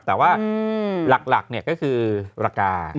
แต่ว่าหลักก็คือราคา